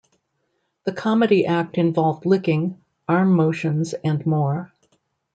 The comedy act involved licking, arm motions and more.